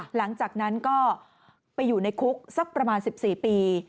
หลังจากนั้นก็ไปอยู่ในคุกสักประมาณ๑๔ปี